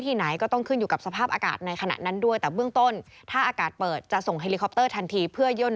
ทั้ง๑๓คนอ่อนแรงแน่